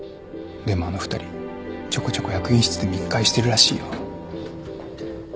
でもあの２人ちょこちょこ役員室で密会してるらしいよ。